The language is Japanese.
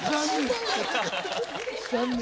残念！